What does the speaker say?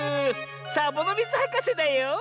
サボノミズはかせだよ！